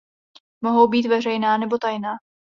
Mohou být veřejná nebo tajná.